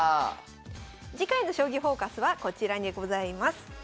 次回の「将棋フォーカス」はこちらでございます。